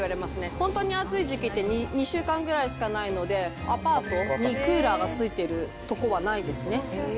本当に暑い時期って２週間ぐらいしかないので、アパートにクーラーがついてるとこはないですね。